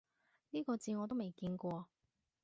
呢個字我都未見過